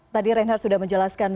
tadi reinhardt sudah menjelaskan